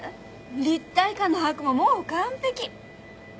立体感の把握ももう完璧！